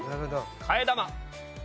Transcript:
替え玉。